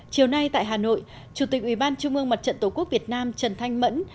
chiều nay tại hà nội chủ tịch ủy ban trung ương mặt trận tổ quốc việt nam trần thanh mẫn